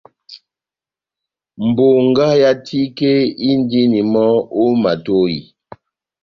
Bongá yá tike indini mɔ́ ó matohi.